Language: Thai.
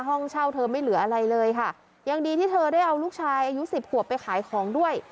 ห้องเช่าเธอไม่เหลืออะไรเลยค่ะยังดีที่เธอได้เอาลูกชายอายุสิบขวบไปขายของด้วย